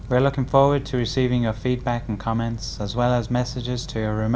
hoặc địa chỉ email tạp chí gn a gmail com